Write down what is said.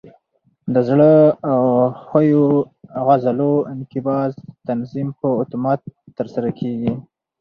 د زړه او ښویو عضلو انقباض تنظیم په اتومات ترسره کېږي.